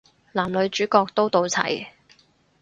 男女主角都到齊